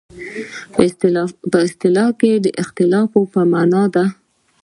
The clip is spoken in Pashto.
په اصطلاح کې د اختلاف په معنی ده.